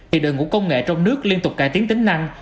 thì đội ngũ công nghệ trong nước liên tục cải tiến tính năng